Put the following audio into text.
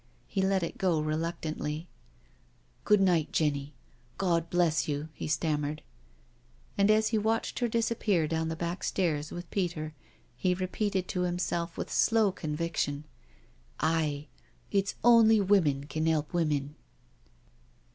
He let it go reluctantly. " Good night, Jenny— God bless you," he stam mered. And as he watched her disappear down the back stairs with Peter he repeated to himself with slow con viction :" Aye— it's only women can help women."